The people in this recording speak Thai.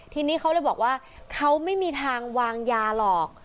ทีนี้เขาเลยบอกว่าเขาไม่มีทางวางยาหรอก